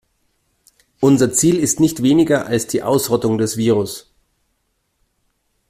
Unser Ziel ist nicht weniger als die Ausrottung des Virus.